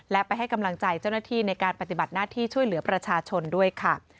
และไปให้กำลังใจเจ้าหน้าที่ในการปฏิบัติหน้าที่ช่วยเหลือประชาชนด้วยค่ะ